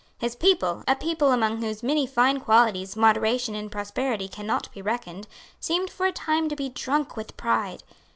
His people, a people among whose many fine qualities moderation in prosperity cannot be reckoned, seemed for a time to be drunk with pride.